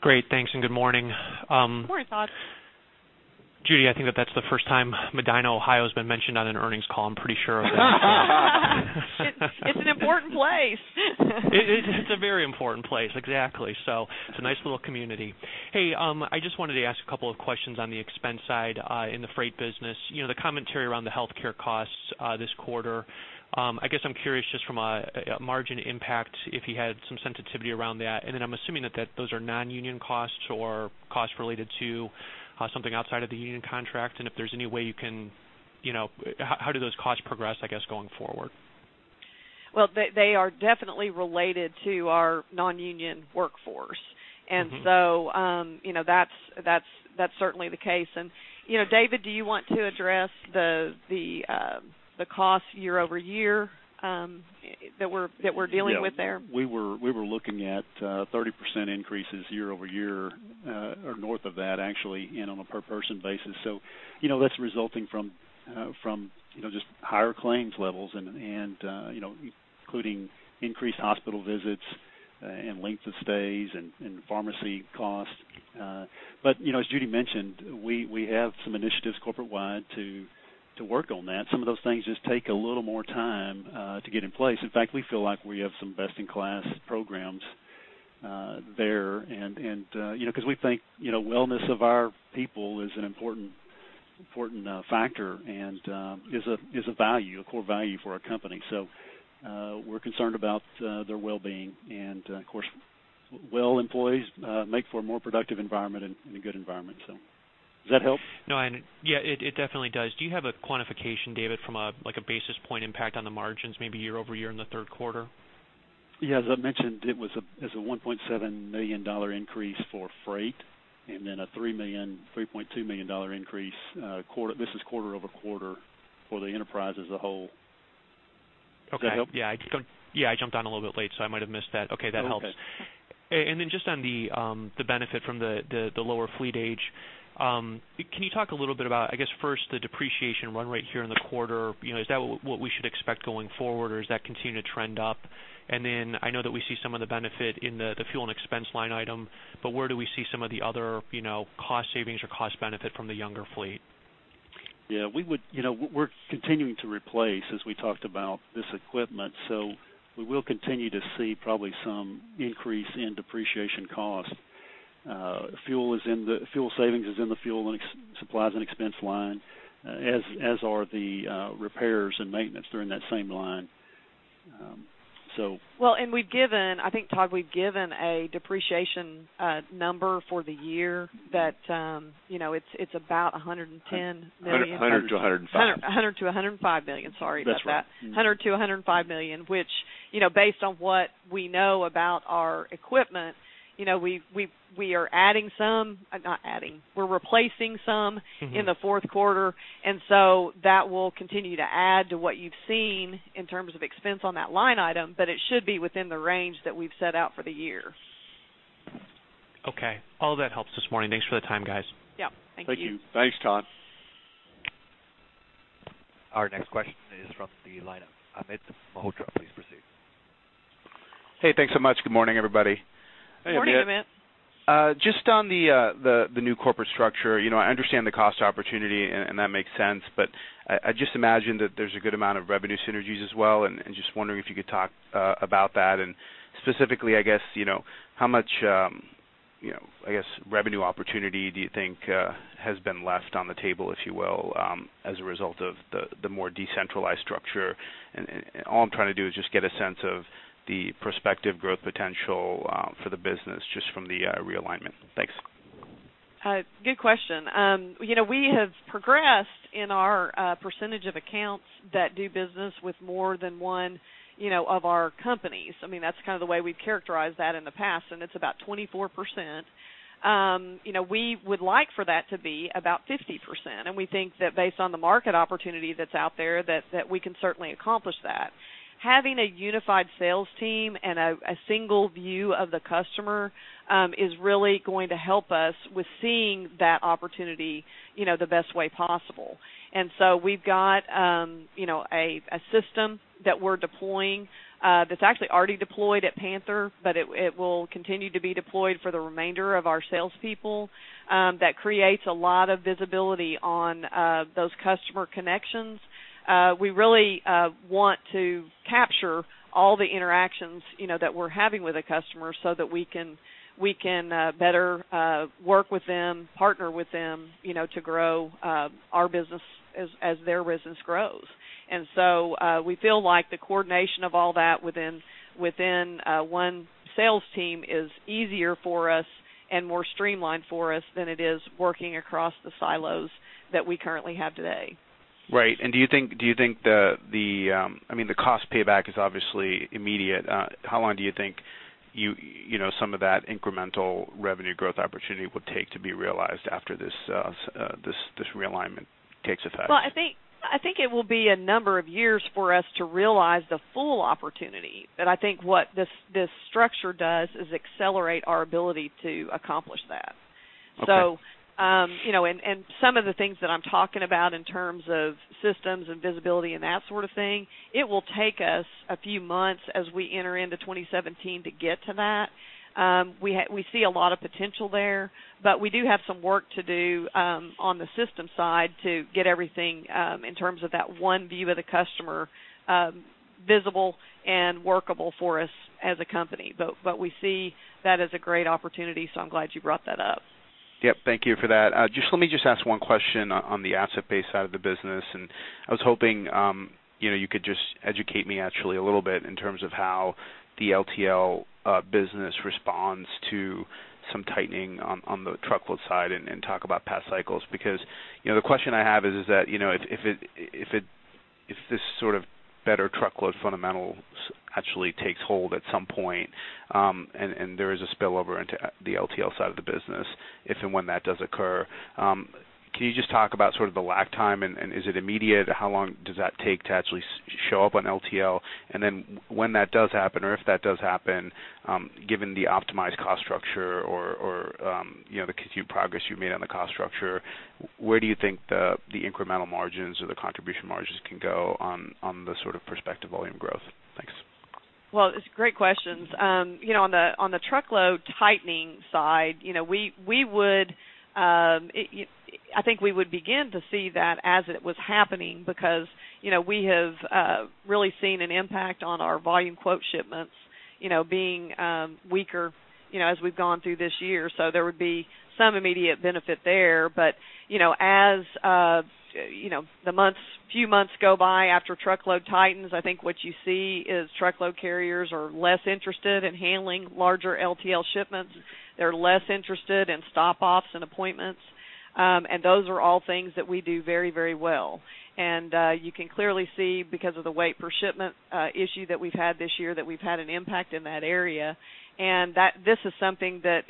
Great. Thanks and good morning. Good morning, Todd. Judy, I think that that's the first time Medina, Ohio, has been mentioned on an earnings call. I'm pretty sure of that. It's an important place. It's a very important place. Exactly. So it's a nice little community. Hey, I just wanted to ask a couple of questions on the expense side in the freight business, the commentary around the healthcare costs this quarter. I guess I'm curious just from a margin impact if you had some sensitivity around that. And then I'm assuming that those are non-union costs or costs related to something outside of the union contract, and if there's any way you can how do those costs progress, I guess, going forward? Well, they are definitely related to our non-union workforce. And so that's certainly the case. And David, do you want to address the cost year-over-year that we're dealing with there? Yeah. We were looking at 30% increases year-over-year or north of that, actually, on a per-person basis. So that's resulting from just higher claims levels, including increased hospital visits and length of stays and pharmacy costs. But as Judy mentioned, we have some initiatives corporate-wide to work on that. Some of those things just take a little more time to get in place. In fact, we feel like we have some best-in-class programs there because we think wellness of our people is an important factor and is a value, a core value for our company. So we're concerned about their well-being. And of course, well employees make for a more productive environment and a good environment, so. Does that help? No. Yeah, it definitely does. Do you have a quantification, David, from a basis point impact on the margins, maybe year-over-year in the Q3? Yeah. As I mentioned, it was a $1.7 million increase for freight and then a $3.2 million increase. This is quarter-over-quarter for the enterprise as a whole. Does that help? Okay. Yeah. Yeah. I jumped on a little bit late, so I might have missed that. Okay. That helps. And then just on the benefit from the lower fleet age, can you talk a little bit about, I guess, first, the depreciation run rate here in the quarter? Is that what we should expect going forward, or is that continuing to trend up? And then I know that we see some of the benefit in the fuel and expense line item, but where do we see some of the other cost savings or cost benefit from the younger fleet? Yeah. We're continuing to replace, as we talked about, this equipment. So we will continue to see probably some increase in depreciation cost. Fuel savings is in the fuel and supplies and expense line, as are the repairs and maintenance during that same line, so. Well, and I think, Todd, we've given a depreciation number for the year that it's about $110 million. 100-105. $100 million-$105 million. Sorry about that. $100 million-$105 million, which based on what we know about our equipment, we are adding some not adding. We're replacing some in the Q4. And so that will continue to add to what you've seen in terms of expense on that line item, but it should be within the range that we've set out for the year. Okay. All of that helps this morning. Thanks for the time, guys. Yep. Thank you. Thank you. Thanks, Todd. Our next question is from the line of Amit Mehrotra. Please proceed. Hey. Thanks so much. Good morning, everybody. Hey, Amit. Just on the new corporate structure, I understand the cost opportunity, and that makes sense. But I just imagine that there's a good amount of revenue synergies as well. And just wondering if you could talk about that. And specifically, I guess, how much, I guess, revenue opportunity do you think has been left on the table, if you will, as a result of the more decentralized structure? And all I'm trying to do is just get a sense of the prospective growth potential for the business just from the realignment. Thanks. Good question. We have progressed in our percentage of accounts that do business with more than one of our companies. I mean, that's kind of the way we've characterized that in the past, and it's about 24%. We would like for that to be about 50%. And we think that based on the market opportunity that's out there, that we can certainly accomplish that. Having a unified sales team and a single view of the customer is really going to help us with seeing that opportunity the best way possible. And so we've got a system that we're deploying that's actually already deployed at Panther, but it will continue to be deployed for the remainder of our salespeople that creates a lot of visibility on those customer connections. We really want to capture all the interactions that we're having with a customer so that we can better work with them, partner with them to grow our business as their business grows. And so we feel like the coordination of all that within one sales team is easier for us and more streamlined for us than it is working across the silos that we currently have today. Right. And do you think the, I mean, the cost payback is obviously immediate. How long do you think some of that incremental revenue growth opportunity would take to be realized after this realignment takes effect? Well, I think it will be a number of years for us to realize the full opportunity. But I think what this structure does is accelerate our ability to accomplish that. And some of the things that I'm talking about in terms of systems and visibility and that sort of thing, it will take us a few months as we enter into 2017 to get to that. We see a lot of potential there. But we do have some work to do on the system side to get everything in terms of that one view of the customer visible and workable for us as a company. But we see that as a great opportunity, so I'm glad you brought that up. Yep. Thank you for that. Just let me just ask one question on the asset-based side of the business. And I was hoping you could just educate me, actually, a little bit in terms of how the LTL business responds to some tightening on the truckload side and talk about past cycles. Because the question I have is that if this sort of better truckload fundamentals actually takes hold at some point and there is a spillover into the LTL side of the business, if and when that does occur, can you just talk about sort of the lag time? And is it immediate? How long does that take to actually show up on LTL? And then when that does happen or if that does happen, given the optimized cost structure or the continued progress you've made on the cost structure, where do you think the incremental margins or the contribution margins can go on the sort of prospective volume growth? Thanks. Well, great questions. On the truckload tightening side, I think we would begin to see that as it was happening because we have really seen an impact on our volume quote shipments being weaker as we've gone through this year. So there would be some immediate benefit there. But as the few months go by after truckload tightens, I think what you see is truckload carriers are less interested in handling larger LTL shipments. They're less interested in stop-offs and appointments. And those are all things that we do very, very well. And you can clearly see, because of the weight-per-shipment issue that we've had this year, that we've had an impact in that area. And this is something that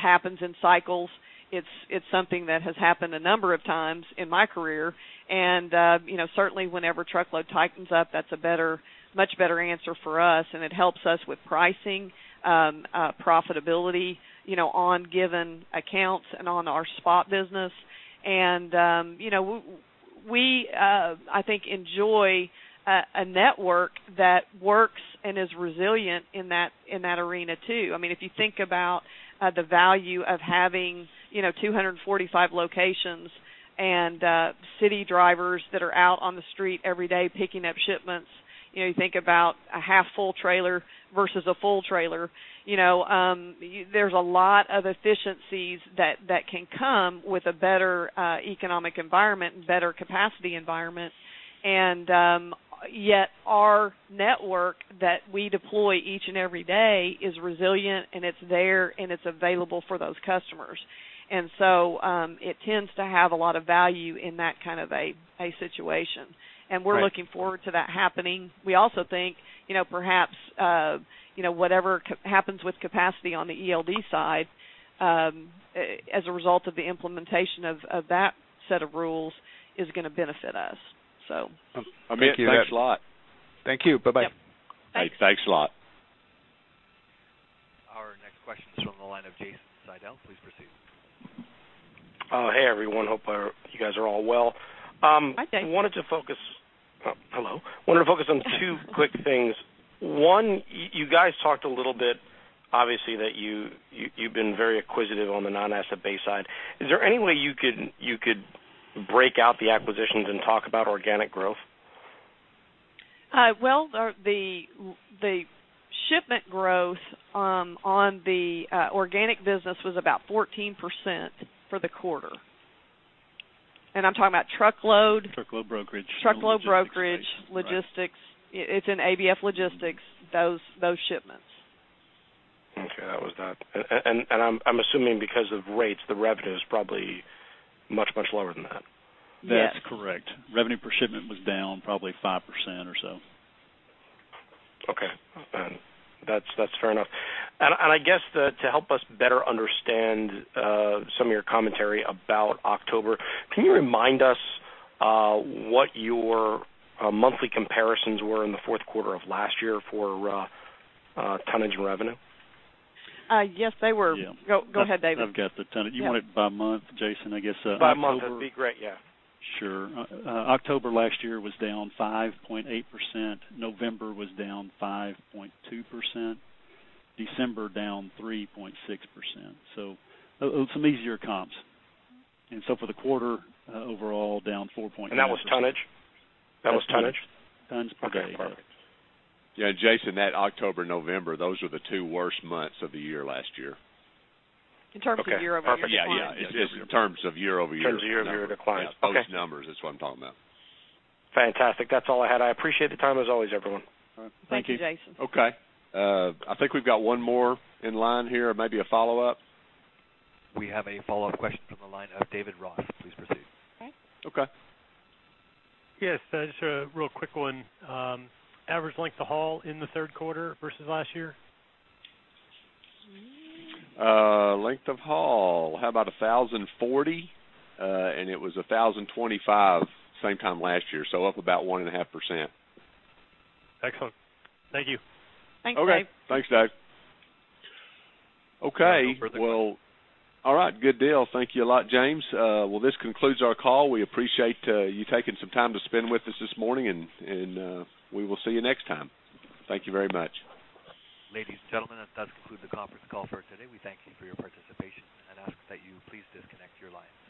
happens in cycles. It's something that has happened a number of times in my career. And certainly, whenever truckload tightens up, that's a much better answer for us. It helps us with pricing, profitability on given accounts and on our spot business. We, I think, enjoy a network that works and is resilient in that arena too. I mean, if you think about the value of having 245 locations and city drivers that are out on the street every day picking up shipments, you think about a half-full trailer versus a full trailer. There's a lot of efficiencies that can come with a better economic environment, better capacity environment. Yet, our network that we deploy each and every day is resilient, and it's there, and it's available for those customers. So it tends to have a lot of value in that kind of a situation. We're looking forward to that happening. We also think perhaps whatever happens with capacity on the ELD side, as a result of the implementation of that set of rules, is going to benefit us, so. Amit, thanks a lot. Thank you. Bye-bye. Yep. Thanks. Thanks a lot. Our next question is from the line of Jason Seidel. Please proceed. Oh, hey, everyone. Hope you guys are all well. Hi, Dave. Wanted to focus on two quick things. One, you guys talked a little bit, obviously, that you've been very acquisitive on the non-asset-based side. Is there any way you could break out the acquisitions and talk about organic growth? Well, the shipment growth on the organic business was about 14% for the quarter. I'm talking about truckload. Truckload brokerage. Truckload brokerage, logistics. It's in ABF Logistics, those shipments. Okay. That was that. And I'm assuming because of rates, the revenue is probably much, much lower than that. Yes, correct. Revenue per shipment was down probably 5% or so. Okay. That's fair enough. I guess to help us better understand some of your commentary about October, can you remind us what your monthly comparisons were in the Q4 of last year for tonnage and revenue? Yes, they were. Go ahead, David. I've got the tonnage. You want it by month, Jason, I guess, October? By month would be great. Yeah. Sure. October last year was down 5.8%. November was down 5.2%. December down 3.6%. So some easier comps. And so for the quarter overall, down 4.8%. That was tonnage? That was tonnage? Tons per day. Okay. Perfect. Yeah. Jason, that October, November, those were the two worst months of the year last year. In terms of year-over-year? Okay. Perfect. Yeah. Yeah. In terms of year-over-year. In terms of year-over-year decline. Yeah. Those numbers, that's what I'm talking about. Fantastic. That's all I had. I appreciate the time, as always, everyone. All right. Thank you. Thank you, Jason. Okay. I think we've got one more in line here, maybe a follow-up. We have a follow-up question from the line of David Ross. Please proceed. Okay. Yes. Just a real quick one. Average length of haul in the Q3 versus last year? Length of haul, how about 1,040? It was 1,025 same time last year, so up about 1.5%. Excellent. Thank you. Thanks, Dave. Okay. Thanks, Dave. Okay. All right. Good deal. Thank you a lot, James. Well, this concludes our call. We appreciate you taking some time to spend with us this morning, and we will see you next time. Thank you very much. Ladies and gentlemen, that concludes the conference call for today. We thank you for your participation and ask that you please disconnect your lines. Thank you.